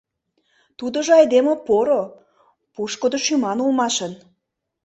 Тудыжо айдеме поро, Пушкыдо шӱман улмашын.